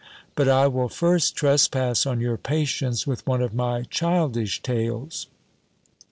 But I will first trespass on your patience with one of my childish tales.